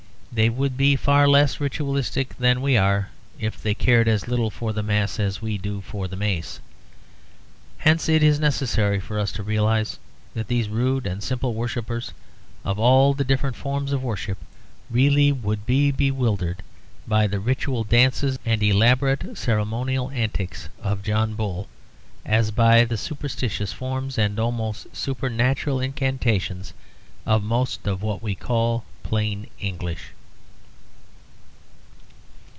They would be far less ritualistic than we are, if they cared as little for the Mass as we do for the Mace. Hence it is necessary for us to realise that these rude and simple worshippers, of all the different forms of worship, really would be bewildered by the ritual dances and elaborate ceremonial antics of John Bull, as by the superstitious forms and almost supernatural incantations of most of what we call plain English.